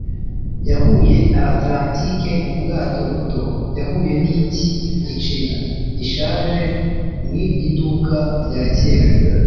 Yahuye na Atlantike mu bwato buto. Yahuye n'iki giceri gishaje mu iduka rya kera.